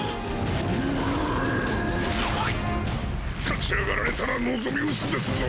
立ち上がられたら望み薄ですぞ！